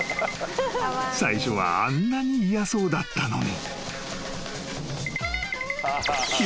［最初はあんなに嫌そうだったのに］